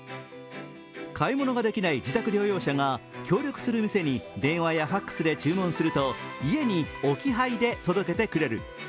買い物ができない自宅療養者が協力する店に電話やＦＡＸで注文すると注文すると、家に置き配で届けてくれる。